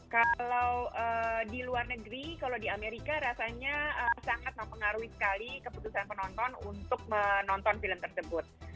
kalau di luar negeri kalau di amerika rasanya sangat mempengaruhi sekali keputusan penonton untuk menonton film tersebut